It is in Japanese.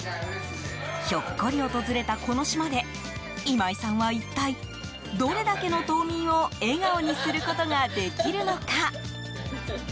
ひょっこり訪れたこの島で今井さんは一体どれだけの島民を笑顔にすることができるのか。